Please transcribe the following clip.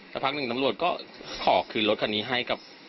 สักพักหนึ่งตำรวจก็ขอคืนรถคันนี้ให้กับ